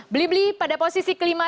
beli beli pada posisi kelima